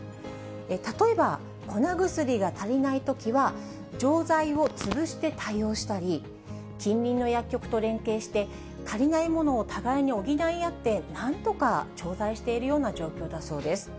例えば、粉薬が足りないときは、錠剤を潰して対応したり、近隣の薬局と連携して、足りないものを互いに補い合って、なんとか調剤しているような状況だそうです。